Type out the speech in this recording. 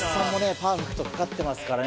パーフェクト懸かってますからね